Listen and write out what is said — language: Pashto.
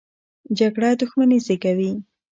جګړه دښمني زېږوي